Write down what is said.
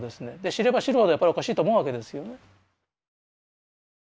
知れば知るほどやっぱりおかしいと思うわけですよね。